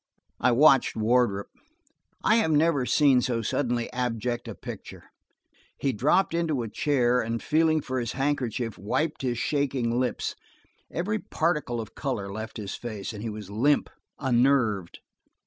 I watched Wardrop: I have never seen so suddenly abject a picture. He dropped into a chair, and feeling for his handkerchief, wiped his shaking lips; every particle of color left his face, and he was limp, unnerved.